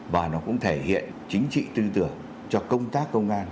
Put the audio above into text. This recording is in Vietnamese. và nó cũng thể hiện chính trị tư tưởng cho công tác công an